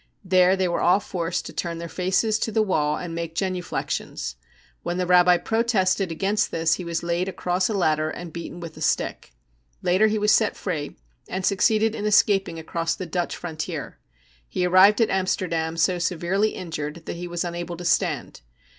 There they were all forced to turn their faces to the wall and make genuflections. When the Rabbi protested against this he was laid across a ladder and beaten with a stick. Later, he was set free, and succeeded in escaping across the Dutch frontier. He arrived at Amsterdam so severely injured that he was unable to stand.